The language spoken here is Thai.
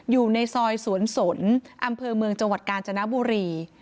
อยู่ในซอยสวนสนอำเภอเมืองจังหวัดกาญจนบุรี